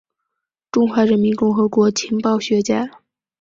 中华人民共和国情报学家。